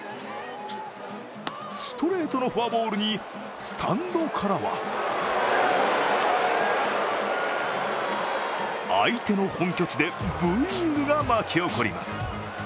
ストレートのフォアボールにスタンドからは相手の本拠地でブーイングが巻き起こります。